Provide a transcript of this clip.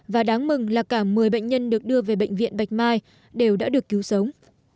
và đáng mừng là cả một mươi bệnh nhân được đưa về bệnh viện bạch mai đều đã được cứu sống